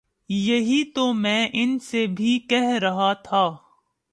یہی تو میں ان سے بھی کہہ رہا تھا